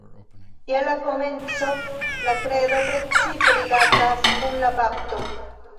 Je la komenco la Kredo precipe rilatas kun la bapto.